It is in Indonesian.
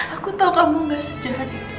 aku tau kamu gak sejahat itu sayang